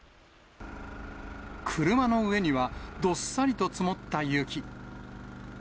車の上には、どっさりと積もった雪。